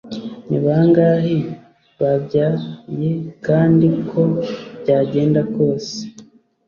ni bangahe babyayekandi uko byagenda kose